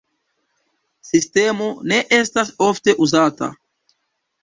Sistemo ne estas ofte uzata.